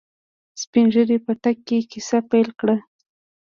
سپينږيري په تګ کې کيسه پيل کړه.